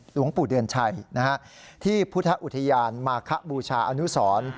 หลวงปู่เดือนชัยที่พุทธอุทยานมาคบูชาอนุสร